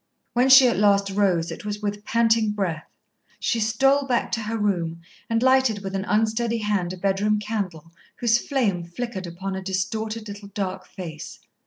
When she at last rose it was with panting breath. She stole back to her room, and lighted with an unsteady hand a bedroom candle, whose flame flickered upon a distorted, little dark face.